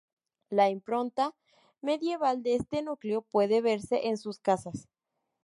La impronta medieval de este núcleo puede verse en sus casas.